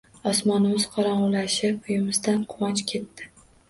Osmonimiz qorongʻulashib, uyimizdan quvonch ketdi...